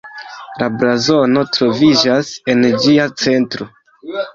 La blazono troviĝas en ĝia centro.